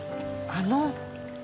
あの。